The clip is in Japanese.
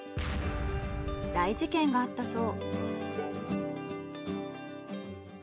大事件があったそう。